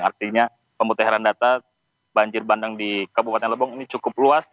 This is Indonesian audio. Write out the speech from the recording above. artinya pemutehan data banjir bandang di kabupaten lebong ini cukup luas